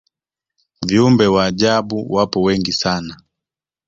viumbe wa ajabu wapo wengi sana